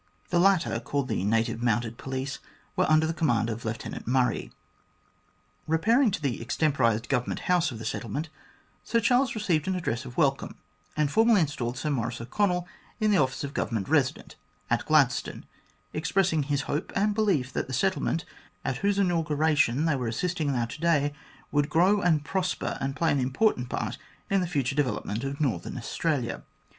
The latter, called the Native Mounted Police, were under the command of Lieutenant Murray. Eepairing to the extemporised Government House of the settlement, Sir Charles received an address of welcome, and formally installed Sir Maurice O'Connell in the office of Government Resident at Gladstone, expressing his hope and belief that the settlement, at whose inauguration they were assisting that day, would grow and prosper and play an important part in the future development of Northern Australia.